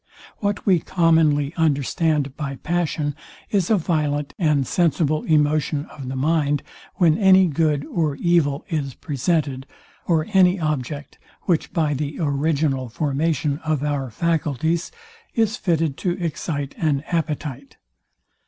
What we commonly understand by passion is a violent and sensible emotion of mind, when any good or evil is presented, or any object, which, by the original formation of our faculties, is fitted to excite an appetite.